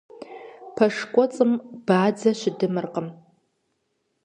Пэш кӀуэцӀым бадзэ щыдымыркъым.